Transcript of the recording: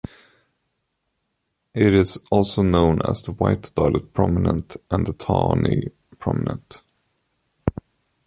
It is also known as the white-dotted prominent and the tawny prominent.